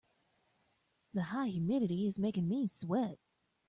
The high humidity is making me sweat.